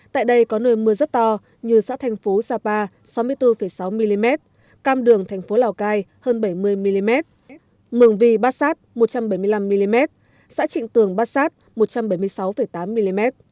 tại đây có nơi mưa rất to như xã thành phú sapa sáu mươi bốn sáu mm cam đường thành phố lào cai hơn bảy mươi mm mường vị bát sát một trăm bảy mươi năm mm xã trịnh tường bát sát một trăm bảy mươi sáu tám mm